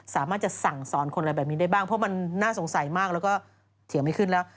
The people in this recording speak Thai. สามารถจะสั่งสอนคนอะไรแบบนี้ได้บ้างเพราะมันน่าสงสัยมากแล้วก็เถียงไม่ขึ้นแล้ว